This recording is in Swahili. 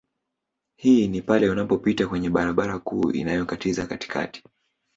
Hii ni pale unapopita kwenye barabara kuu inayokatiza katikati